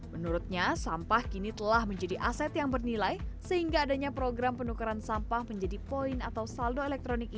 menurutnya sampah kini telah menjadi aset yang bernilai sehingga adanya program penukaran sampah menjadi poin atau saldo elektronik ini